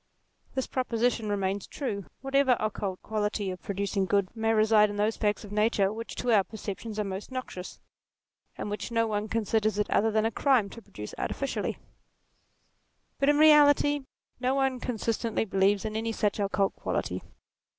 This proposition remains true, whatever occult quality of producing good may reside 32 NATURE in those facts of nature which to our perceptions are most noxious, and which no one considers it other than a crime to produce artificially. But, in reality, no one consistently believes in any such occult quality.